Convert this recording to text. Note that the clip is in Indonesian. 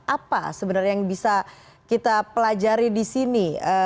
apa sebenarnya yang bisa kita pelajari di sini